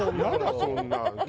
そんなの！